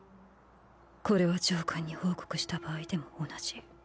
これは上官に報告した場合でも同じ。